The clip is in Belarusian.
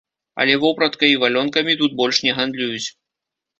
Але вопраткай і валёнкамі тут больш не гандлююць.